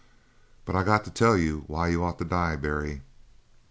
But I got to tell you why you ought to die, Barry.